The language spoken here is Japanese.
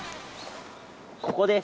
ここです。